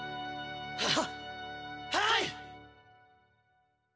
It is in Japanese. はっはい！